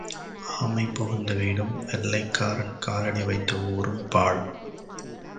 ஆமை புகுந்த வீடும் வெள்ளைக்காரன் காலடி வைத்த ஊரும் பாழ்.